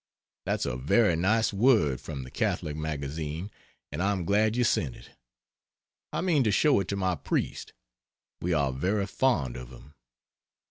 That's a very nice word from the Catholic Magazine and I am glad you sent it. I mean to show it to my priest we are very fond of him.